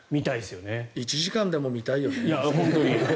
１時間でも見たいよね。